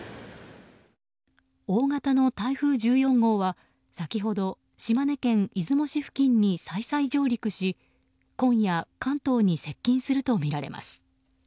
大型の台風１４号は先ほど、島根県出雲市付近に再々上陸し今夜関東に接近するとみられます。